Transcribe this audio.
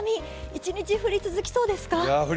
一日降り続きそうですか？